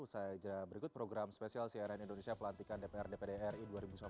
usai jeda berikut program spesial cnn indonesia pelantikan dpr dpri dua ribu sembilan belas dua ribu dua puluh empat